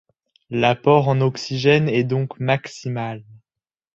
L’apport en oxygène est donc maximal.